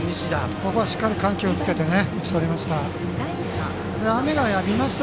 ここはしっかり緩急をつけて打ち取りました。